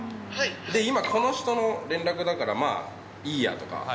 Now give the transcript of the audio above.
で、今、この人からの連絡だから、まあ、いいやとか。